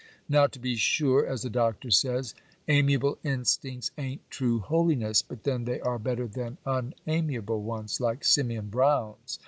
Now, to be sure, as the Doctor says, "amiable instincts a'n't true holiness;" but then they are better than unamiable ones, like Simeon Brown's.